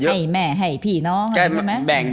ให้แม่ให้พี่น้อง